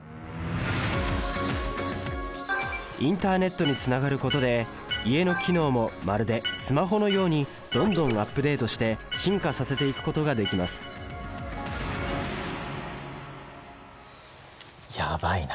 インターネットにつながることで家の機能もまるでスマホのようにどんどんアップデートして進化させていくことができますやばいな。